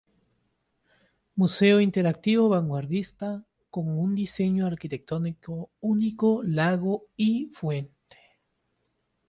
Museo interactivo vanguardista con un diseño arquitectónico único, lago y fuente.